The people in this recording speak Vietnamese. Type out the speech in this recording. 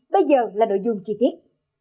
bây giờ là nội dung chi tiết